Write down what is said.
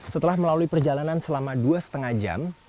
setelah melalui perjalanan selama dua lima jam